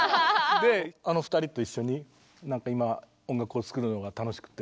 あの２人と一緒になんか今音楽を作るのが楽しくて。